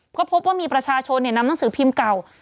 ก็พบว่ามีประชาชนนำหนังสือพิมพ์เก่า